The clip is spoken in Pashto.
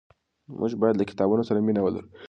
موږ باید له کتابونو سره مینه ولرو.